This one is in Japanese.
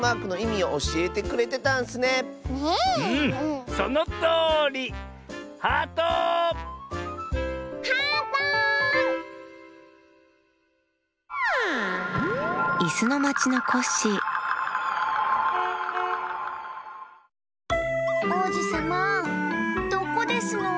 おうじさまどこですの？